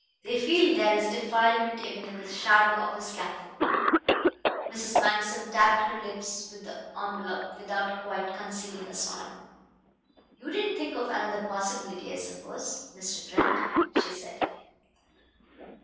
They feel there is defilement even in the shadow of the scaffold." Mrs. Manderson tapped her lips with the envelop without quite concealing a smile. "You didn't think of another possibility, I suppose, Mr. Trent," she said.